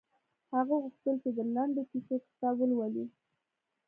هغه غوښتل چې د لنډو کیسو کتاب ولولي